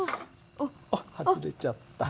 あっ外れちゃった。